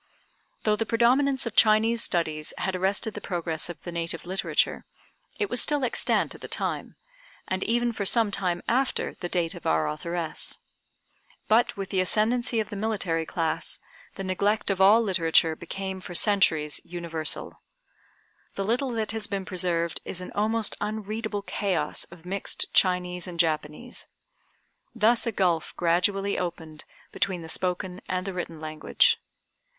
Though the predominance of Chinese studies had arrested the progress of the native literature, it was still extant at the time, and even for some time after the date of our authoress. But with the ascendency of the military class, the neglect of all literature became for centuries universal. The little that has been preserved is an almost unreadable chaos of mixed Chinese and Japanese. Thus a gulf gradually opened between the spoken and the written language.